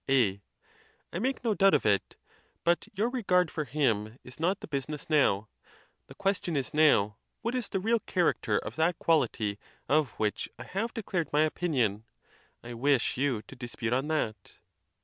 A. I make no doubt of it; but your regard for him is not the business now: the question is now, what is the real character of that quality of which I have declared my opin ion. I wish you to dispute on that.